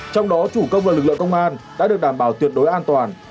trong đó chủ công và lực lượng công an đã được đảm bảo tuyệt đối an toàn